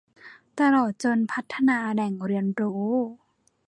ตลอดจนพัฒนาแหล่งเรียนรู้